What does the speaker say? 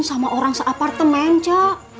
sama orang seapartemen cek